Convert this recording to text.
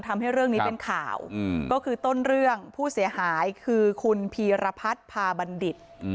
ทำให้เรื่องนี้เป็นข่าวก็คือต้นเรื่องผู้เสียหายคือคุณพีรพัฒน์พาบัณฑิต